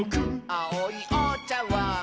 「あおいおちゃわん」